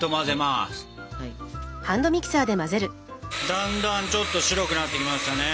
だんだんちょっと白くなってきましたね。